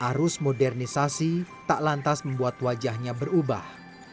arus modernisasi tak lantas membuat wajahnya berubah